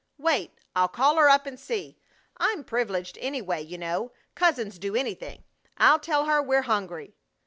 Wait. I'll call her up and see. I'm privileged, anyway, you know. Cousins can do anything. I'll tell her we're hungry."